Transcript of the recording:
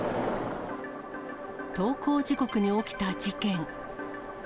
登校時刻に起きた事件。